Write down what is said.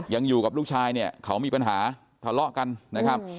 อยู่กับลูกชายเนี่ยเขามีปัญหาทะเลาะกันนะครับ